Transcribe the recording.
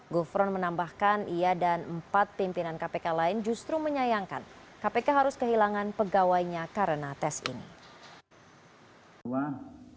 gufron menambahkan ia dan empat pimpinan kpk lain justru menyayangkan kpk harus kehilangan pegawainya karena tes ini